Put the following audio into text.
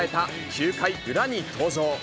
９回裏に登場。